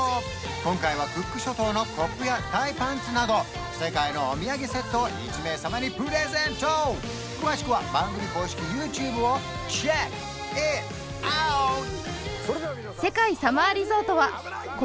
今回はクック諸島のコップやタイパンツなど世界のお土産セットを１名様にプレゼント詳しくは番組公式ＹｏｕＴｕｂｅをＣｈｅｃｋｉｔｏｕｔ！